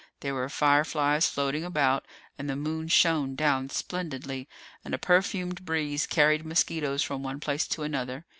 There were fireflies floating about, and the Moon shone down splendidly, and a perfumed breeze carried mosquitoes from one place to another.